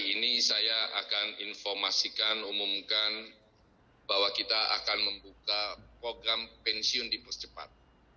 hari ini saya akan informasikan umumkan bahwa kita akan membuka program pensiun di percepat